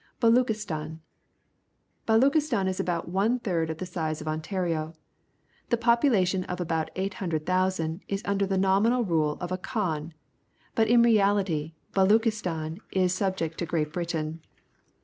Baluchistan. — Baluchistan is aliout one third of the size of Ontario. The population of about 800,000 is under the nominal rule of a Ivhan, but in reality Baluchis tan is subject to Great Britain.